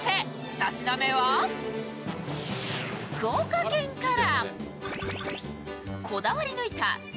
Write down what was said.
２品目は福岡県から。